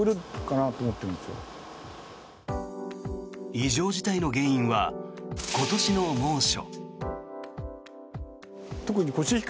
異常事態の原因は今年の猛暑。